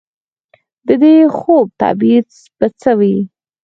د دې خوب تعبیر به څه وي ؟